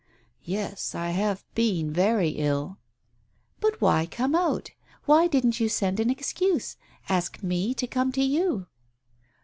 "Yes, I have been very ill." "But why come out? Why didn't you send an excuse — ask me to come to you